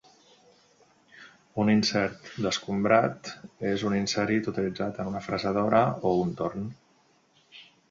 Un "insert d'escombrat" és un inserit utilitzat en una fresadora o un torn.